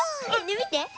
みて。